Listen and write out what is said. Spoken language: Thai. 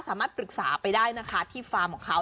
สามารถปรึกษาไปได้นะคะที่ฟาร์มของเขา